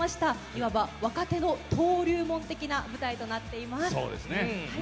いわば、若手の登竜門的な舞台となっています。